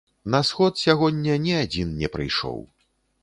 На сход сягоння ні адзін не прыйшоў.